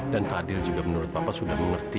dan fadil juga menurut papa sudah mengerti